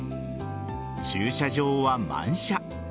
駐車場は満車。